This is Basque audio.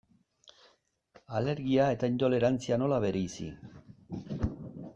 Alergia eta intolerantzia, nola bereizi?